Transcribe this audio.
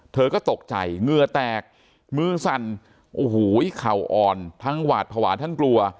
เธอก็ตกใจเหงื่อแตกมือสั่นโอ้โหเข่าอ่อนทั้งหวาดภาวะทั้งกลัว